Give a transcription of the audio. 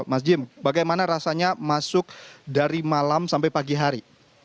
mas jim bagaimana rasanya masuk dari malam sampai pagi hari